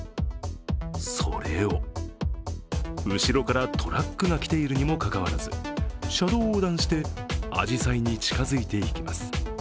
それを後ろからトラックが来ているにもかかわらず、車道を横断して、あじさいに近づいていきます。